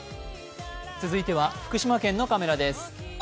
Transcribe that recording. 続いては福島県のカメラです。